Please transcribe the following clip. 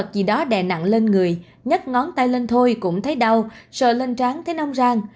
không có vật gì đó đè nặng lên người nhắc ngón tay lên thôi cũng thấy đau sợ lên tráng thấy nong rang